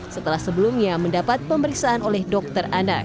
setelah sebelumnya mendapat pemeriksaan oleh dokter anak